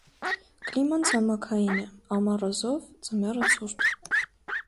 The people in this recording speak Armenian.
Կլիման ցամաքային է, ամառը՝ զով, ձմեռը՝ ցուրտ։